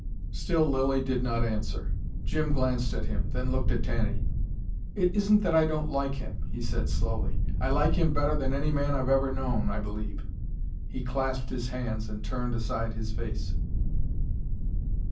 Still Lilly did not answer. Jim glanced at him, then looked at Tanny. "It isn't that I don't like him," he said, slowly. "I like him better than any man I've ever known, I believe." He clasped his hands and turned aside his face.